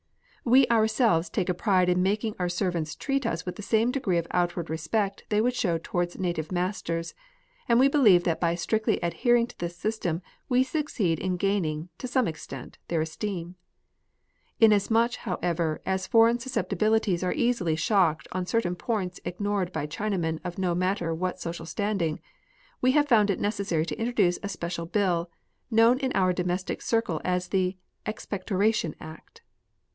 We ourselves take a pride in making our servants treat us with the same degree of outward respect they would show towards native masters, and we believe that by strictly adhering to this system we succeed in gaining, to ^me extent, their esteem. In asmuch, however, as foreign susceptibilities are easily shocked on certain j)oints ignored by Chinamen of no matter what social standing, we have found it neces sary to introduce a special Bill, known in our domestic circle as the Expectoration Act.